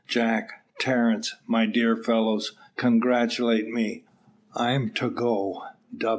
"Jack, Terence, my dear fellows, congratulate me. I'm to go.